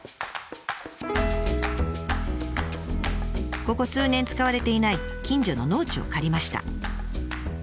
ここ数年使われていない近所の農地を借りました。